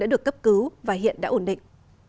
đã được cấp cứu và hiện đã ổn định